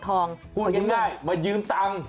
พูดง่ายมายืมตังค์